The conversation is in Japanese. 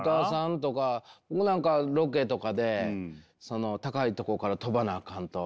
僕なんかロケとかで高いとこから飛ばなあかんと。